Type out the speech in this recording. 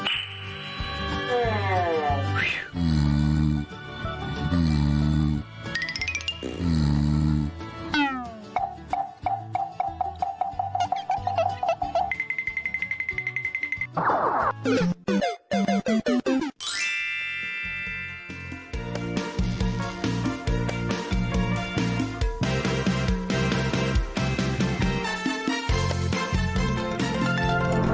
สวัสดีครับสวัสดีค่ะ